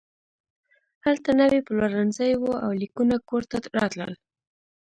هلته نوي پلورنځي وو او لیکونه کور ته راتلل